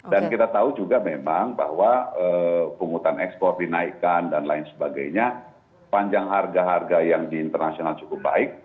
dan kita tahu juga memang bahwa penghutang ekspor dinaikkan dan lain sebagainya panjang harga harga yang di internasional cukup baik